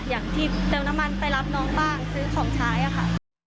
อย่างที่เติมน้ำมันไปรับน้องบ้างซื้อของใช้ค่ะ